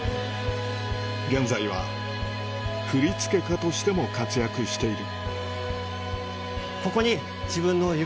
現在は振付家としても活躍している